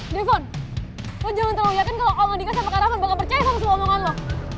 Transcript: telepon lo jangan terlalu yakin kalo orang adiknya sama kak raman bakal percaya sama semua omongan lo